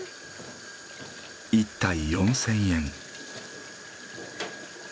１体４，０００円。